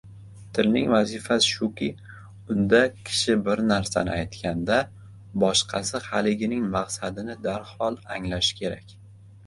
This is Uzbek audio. Tilning vazifasi shuki, unda kishi bir narsani aytganda boshqasi haligining maqsadini darhol anglashi kerak.